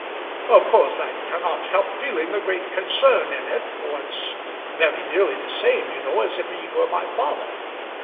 "Of course I cannot help feeling a great concern in it, for it's very nearly the same, you know, as if he were my father.